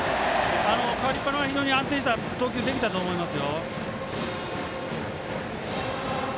代わりっぱなは非常に安定した投球ができていたと思います。